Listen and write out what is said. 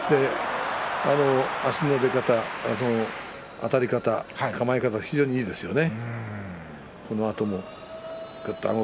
足の出方、あたり方構え方、非常にいいですね、王鵬。